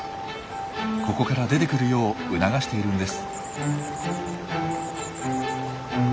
ここから出てくるよう促しているんです。